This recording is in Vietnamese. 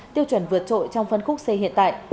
tiêu chuẩn vượt trội trong phân khúc xe hiện tại